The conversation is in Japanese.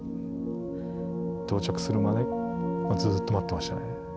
到着するまでずっと待ってましたね。